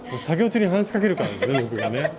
作業中に話しかけるからですね